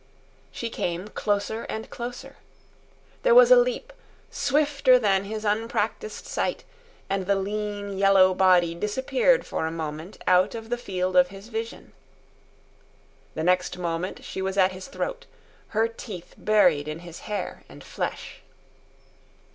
She came closer and closer. There was a leap, swifter than his unpractised sight, and the lean, yellow body disappeared for a moment out of the field of his vision. The next moment she was at his throat, her teeth buried in his hair and flesh.